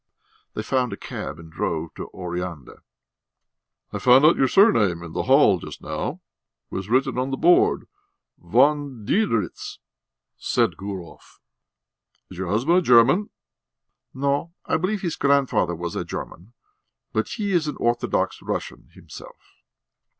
They found a cab and drove to Oreanda. "I found out your surname in the hall just now: it was written on the board Von Diderits," said Gurov. "Is your husband a German?" "No; I believe his grandfather was a German, but he is an Orthodox Russian himself."